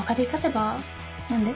何で？